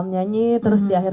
nyanyi terus di akhir